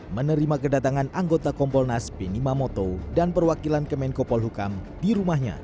menerima kedatangan anggota kompolnas beni mamoto dan perwakilan kemenkopol hukam di rumahnya